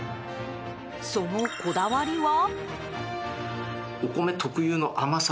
そのこだわりは。